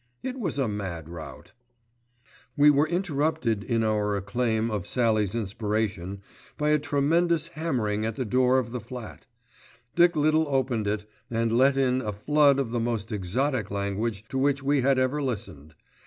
It was a mad rout. We were interrupted in our acclamation of Sallie's inspiration by a tremendous hammering at the door of the flat. Dick Little opened it and let in a flood of the most exotic language to which we had ever listened.